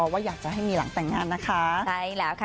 ว่าอยากจะให้มีหลังแต่งงานนะคะ